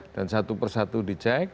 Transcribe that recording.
dan satu persatu dicek